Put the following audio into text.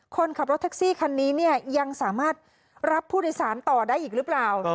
คนขับรถแท็กซี่คันนี้เนี่ยยังสามารถรับผู้โดยสารต่อได้อีกหรือเปล่า